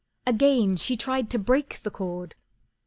Again she tried to break the cord.